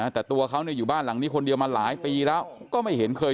แต่ตัวเขาอยู่บ้านหลังนี้คนเดียวมาหลายปีแล้วก็ไม่เห็นเคย